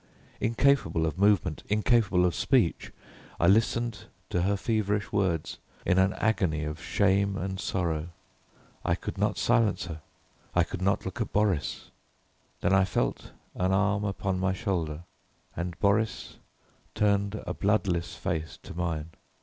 Incapable of movement, incapable of speech, I listened to her feverish words in an agony of shame and sorrow. I could not silence her, I could not look at Boris. Then I felt an arm upon my shoulder, and Boris turned a bloodless face to mine.